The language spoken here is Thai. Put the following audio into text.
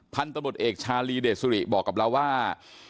พันธบทเอกชาลีเดชสุริบอกกับเราว่า